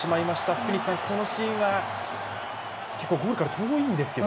福西さん、このシーンは結構ゴールから遠いんですけれど。